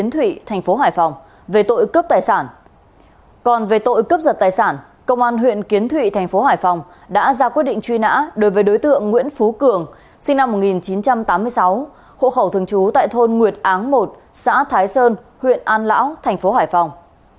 thông tin truy nã đối với đối tượng nguyễn phú cường sinh năm một nghìn chín trăm tám mươi sáu hộ khẩu thường trú tại thôn nguyệt áng một xã thái sơn huyện an lão tp hải phòng